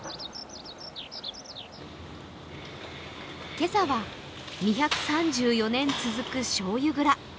今朝は２３４年続く、しょうゆ蔵。